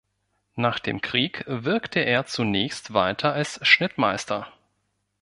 Nach dem Krieg wirkte er zunächst weiter als Schnittmeister.